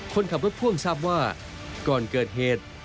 คนขับรถพ่วงทราบว่าก่อนเกิดเหตุ